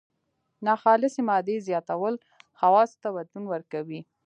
ناخالصې مادې زیاتول خواصو ته بدلون ورکوي.